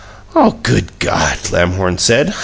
"Oh, good God!" Lamhorn said.